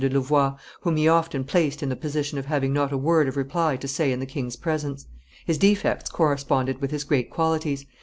de Louvois, whom he often placed in the position of having not a word of reply to say in the king's presence. His defects corresponded with his great qualities.